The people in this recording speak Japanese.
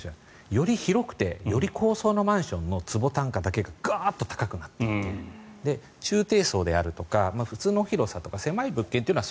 より広くてより高層のマンションの坪単価だけが高くなっていて中低層であるとか普通の広さとか狭い物件というのは